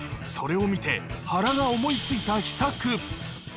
それを見て、原が思いついた秘策。